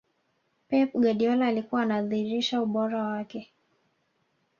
pep guardiola alikuwa anadhirisha ubora wake